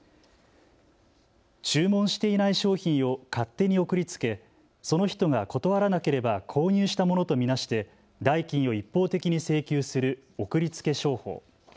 注文していない商品を勝手に送りつけ、その人が断らなければ購入したものと見なして代金を一方的に請求する送りつけ商法。